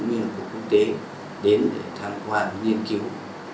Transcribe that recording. như là của quốc tế đến để tham quan nghiên cứu